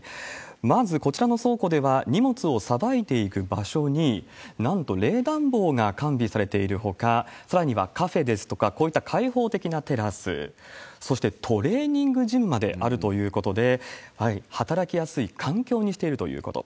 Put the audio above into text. まずこちらの倉庫では、荷物のさばいていく場所に、なんと冷暖房が完備されているほか、さらにはカフェですとか、こういった開放的なテラス、そしてトレーニングジムまであるということで、働きやすい環境にしているということ。